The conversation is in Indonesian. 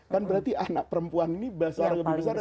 kan berarti anak perempuan ini lebih besar daripada pamannya